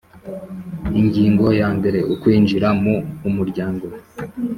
Ingingo ya mbere Ukwinjira mu Umuryango